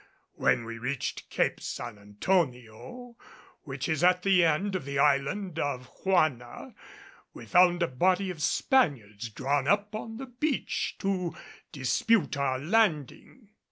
When we reached Cape San Antonio, which is at the end of the Island of Juanna, we found a body of Spaniards drawn up on to the beach to dispute our landing.